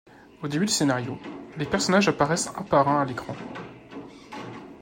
Au début du scénario, les personnages apparaissent un par un à l’écran.